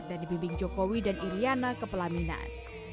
dan dibimbing jokowi dan ilyana ke pelaminan